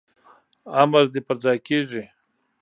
امر دي پرځای کیږي